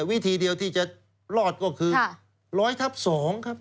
วิธีเดียวที่จะรอดก็คือ๑๐๐ทับ๒ครับ